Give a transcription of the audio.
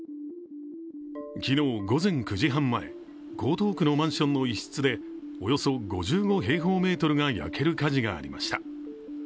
昨日午前９時半前、江東区のマンションの一室でおよそ５５平方メートルが焼ける火事がありました。